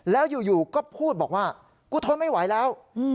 แล้วอยู่ก็พูดบอกว่ากูทนไม่ไหวแล้ว